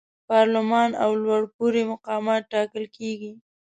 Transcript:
پارلمان او لوړپوړي مقامات ټاکل کیږي.